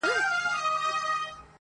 بلا توره دي پسې ستا په هنر سي!!